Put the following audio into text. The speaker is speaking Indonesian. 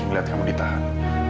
melihat kamu ditahan